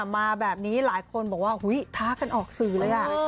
มาแบบนี้หลายคนบอกว่าท้ากันออกสื่อเลย